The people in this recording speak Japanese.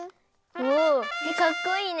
おおかっこいいね！